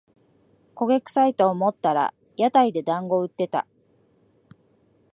焦げくさいと思ったら屋台でだんご売ってた